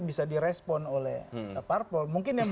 bisa direspon oleh parpol mungkin yang